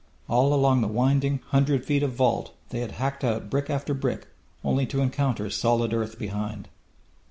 All along the winding hundred feet of vault they had hacked out brick after brick only to encounter solid earth behind.